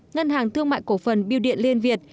ngân hàng thương mại cổ phần biêu điện liên việt